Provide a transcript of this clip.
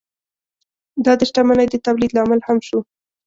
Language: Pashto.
دا د شتمنۍ د تولید لامل هم شو.